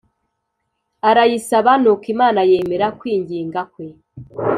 arayisaba nuko Imana yemera kwinginga kwe